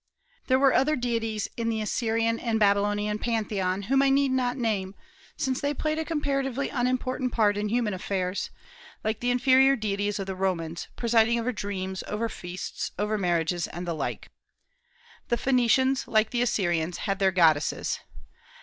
There were other deities in the Assyrian and Babylonian pantheon whom I need not name, since they played a comparatively unimportant part in human affairs, like the inferior deities of the Romans, presiding over dreams, over feasts, over marriage, and the like. The Phoenicians, like the Assyrians, had their goddesses.